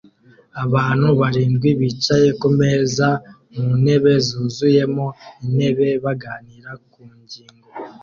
Abantu barindwi bicaye kumeza mu ntebe zuzuyemo intebe baganira ku ngingo